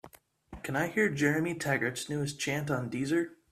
Can I hear Jeremy Taggart's newest chant on Deezer?